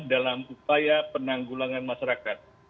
dalam upaya penanggulangan masyarakat